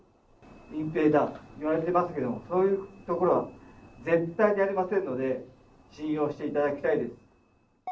隠蔽だと言われてますけれども、そういうことは絶対にありませんので、信用していただきたいです。